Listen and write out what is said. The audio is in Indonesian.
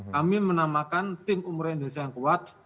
kami menamakan tim umroh indonesia yang kuat